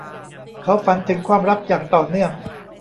เขาฝันถึงความรักอย่างต่อเนื่อง